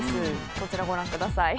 こちらご覧ください。